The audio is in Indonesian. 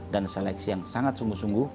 dan seleksi yang sangat sungguh sungguh